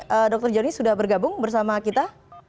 pak dr joni sudah bergabung bersama kita